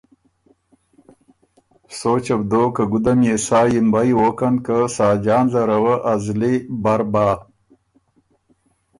سوچه بو دوک که ګُده ميې سا یِمبئ ووکن که ساجان زره وه ا زلی بر بَۀ